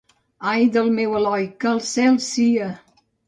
Ai del meu Eloi, que al cel sia!